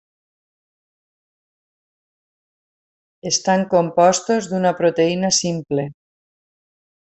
Estan compostos d’una proteïna simple.